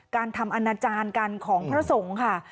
การทำอนาจารย์กันของพระสงฆ์ค่ะ